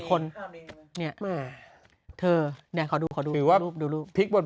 คนเนี่ยแหมเธอเนี่ยขอดูขอดูถือว่าดูพลิกบน